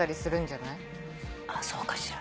あーそうかしら。